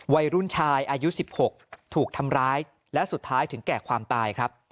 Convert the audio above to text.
วัยรุ่นชายอายุ๑๖ถูกทำร้ายและสุดท้ายถึงแก่ความตายครับ